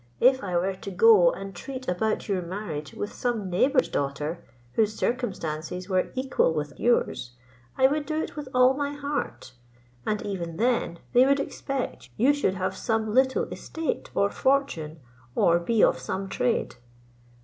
If I were to go and treat about your marriage with some neighbour's daughter, whose circumstances were equal with yours, I would do it with all my heart; and even then they would expect you should have some little estate or fortune, or be of some trade.